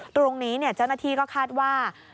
ตรงนี้เจ้าหน้าที่ก็คาดว่า